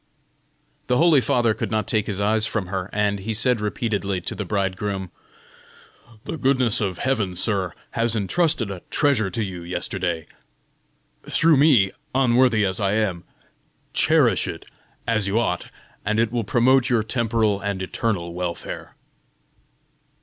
The holy father could not take his eyes from her, and he said repeatedly to the bridegroom: "The goodness of heaven, sir, has intrusted a treasure to you yesterday through me, unworthy as I am; cherish it as you ought, and it will promote your temporal and eternal welfare."